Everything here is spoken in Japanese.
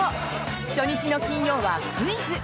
初日の金曜はクイズ！